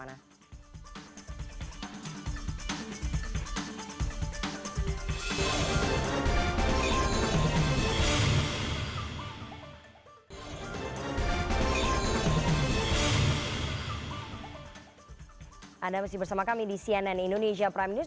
anda masih bersama kami di cnn indonesia prime news